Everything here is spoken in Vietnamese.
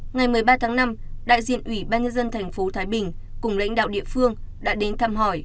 ngày một mươi ba tháng năm đại diện ủy ban nhân dân thành phố thái bình cùng lãnh đạo địa phương đã đến thăm hỏi